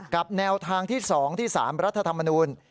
แนวทางที่๒ที่๓รัฐธรรมนูล